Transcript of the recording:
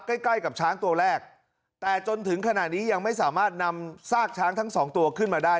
ใกล้ใกล้กับช้างตัวแรกแต่จนถึงขณะนี้ยังไม่สามารถนำซากช้างทั้งสองตัวขึ้นมาได้